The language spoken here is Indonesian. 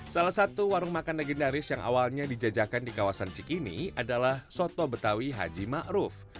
salah satu warung makan legendaris yang awalnya dijajakan di kawasan cikini adalah soto betawi haji ⁇ maruf ⁇